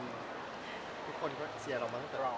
ทุกคนก็เชียร์เรามาตั้งแต่รอบ